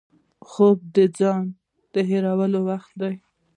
خوب د ځان هېرولو وخت دی